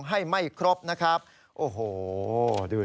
ขณะที่เฟสบุ๊คของสวนน้ำยังไม่เสร็จนะครับ